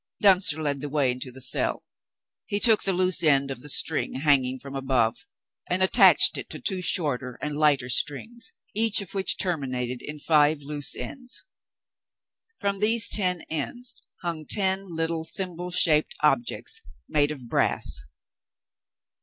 Duntzer led the way into the cell. He took the loose end of the string, hanging from above, and attached to it two shorter and lighter strings, each of which terminated in five loose ends. From these ten ends hung ten little thimble shaped objects, made of brass.